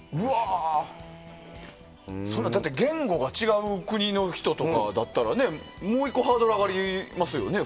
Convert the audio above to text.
だって言語が違う国の人とかだったらもう１個ハードル上がりますよね。